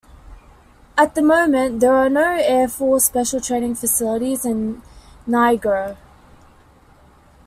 At the moment, there is no air force special training facilities in Niger.